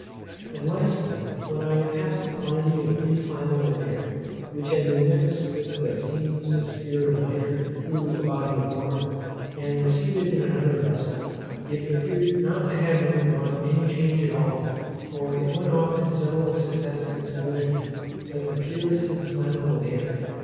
And lastly, when I passed a quantity of inflammable air, which had been mixed with the fumes of spirit of nitre, through a body of water, and received it in another vessel, it appeared not to have undergone any change at all, for it went off in several successive explosions, like the purest inflammable air.